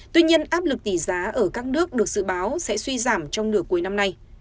tuy nhiên áp lực tỷ giá ở các nước được dự báo sẽ suy giảm trong nửa cuối năm nay